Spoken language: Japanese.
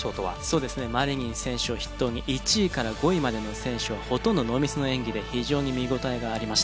そうですねマリニン選手を筆頭に１位から５位までの選手はほとんどノーミスの演技で非常に見応えがありました。